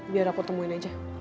biar aku temuin aja